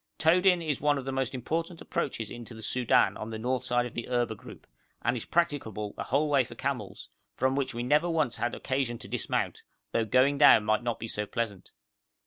Todin is one of the most important approaches into the Soudan on the north side of the Erba group, and is practicable the whole way for camels, from which we never once had occasion to dismount, though going down might not be so pleasant.